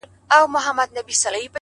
آهونه چي د مړه زړه له پرهاره راوتلي!